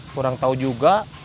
kurang tahu juga